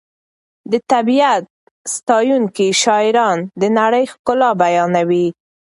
د طبیعت ستایونکي شاعران د نړۍ ښکلا بیانوي.